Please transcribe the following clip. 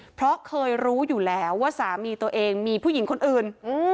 เพราะเคยรู้อยู่แล้วว่าสามีตัวเองมีผู้หญิงคนอื่น